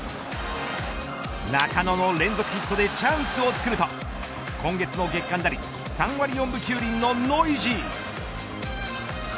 中野の連続ヒットでチャンスを作ると今月の月間打率３割４分９厘のノイジー。